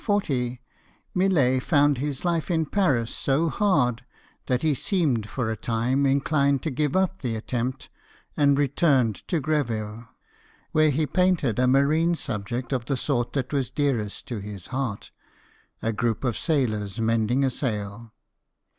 In 1840, Millet found his life in Paris still so hard that he seemed for a time inclined to give up the attempt, and returned to Greville, where he painted a marine subject of the sort that was dearest to his heart a group of sailors mending a sail.